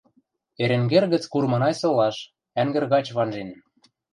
Эренгер гӹц Курманай солаш, ӓнгӹр гач ванжен